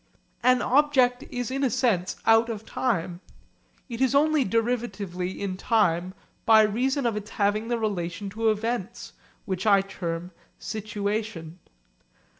An object is in a sense out of time. It is only derivatively in time by reason of its having the relation to events which I term 'situation.'